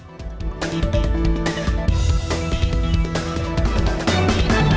terhadap mas arya